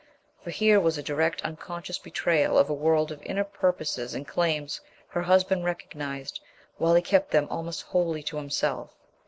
For here was a direct, unconscious betrayal of a world of inner purposes and claims her husband recognized while he kept them almost wholly to himself.